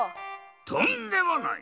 とんでもない！